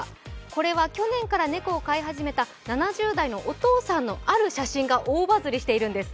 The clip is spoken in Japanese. これは去年から猫を飼い始めた７０代の、あるお父さんのある写真が大バズりしているんです。